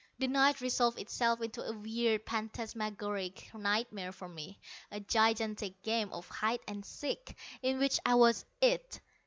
The night resolved itself into a weird phantasmagoric nightmare for me, a gigantic game of hide and seek, in which I was "it."